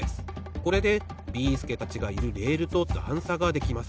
これでビーすけたちがいるレールとだんさができます。